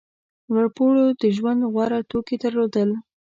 لوړپوړو د ژوند غوره توکي درلودل.